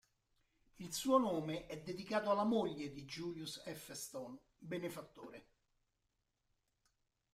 Il suo nome è dedicato alla moglie di Julius F. Stone, benefattore.